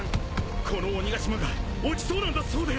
この鬼ヶ島が落ちそうなんだそうで！